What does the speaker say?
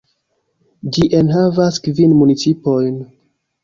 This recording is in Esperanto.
Ĝi enhavas kvin municipojn.